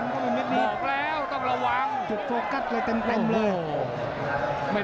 ผมบอกแล้วต้องระวังไม่ดูกนับเลยแทงด้วย